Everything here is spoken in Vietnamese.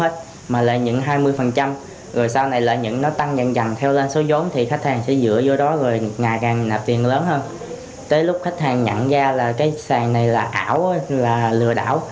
tới lúc khách hàng nhận ra là cái sàn này là ảo là lừa đảo